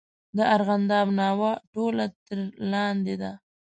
د ارغنداب ناوه ټوله تر لاندې ده.